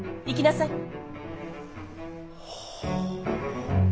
行きなさい。